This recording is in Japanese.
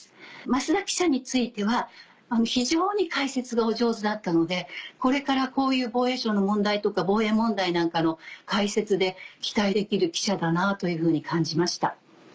増田記者については非常に解説がお上手だったのでこれからこういう防衛省の問題とか防衛問題なんかの解説で期待できる記者だなというふうに感じました。